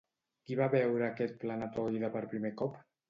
Qui va veure aquest planetoide per primer cop?